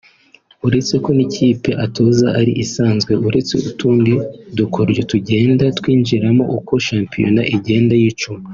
Uretse ko n'ikipe atoza ari isanzwe uretse utundi dukoryo tugenda twinjiramo uko shampiyona igenda yicuma